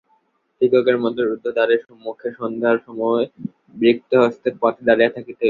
ভিক্ষুকের মতো রুদ্ধ দ্বারের সম্মুখে সন্ধ্যার সময় রিক্তহস্তে পথে দাঁড়াইয়া থাকিতে হইল।